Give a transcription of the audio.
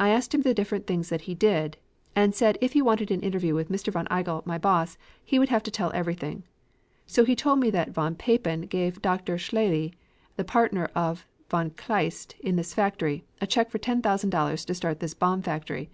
I asked him the different things that he did, and said if he wanted an interview with Mr. von Igel, my boss, he would have to tell everything. So he told me that von Papen gave Dr. Scheele, the partner of von Kleist in this factory, a check for $10,000 to start this bomb factory.